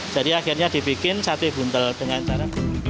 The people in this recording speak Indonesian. jadi akhirnya dibikin sate buntel dengan cara